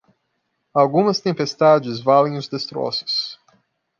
Algumas tempestades valem os destroços.